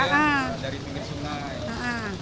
dari pinggir sungai